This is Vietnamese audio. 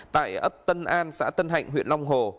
tại ấp tân an xã tân hạnh huyện long hồ